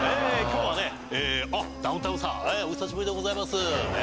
今日はねあっダウンタウンさんお久しぶりでございます。